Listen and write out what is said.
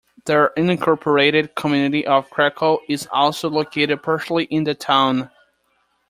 The unincorporated community of Krakow is also located partially in the town.